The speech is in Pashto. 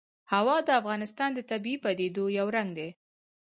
هوا د افغانستان د طبیعي پدیدو یو رنګ دی.